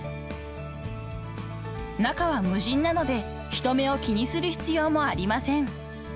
［中は無人なので人目を気にする必要もありません］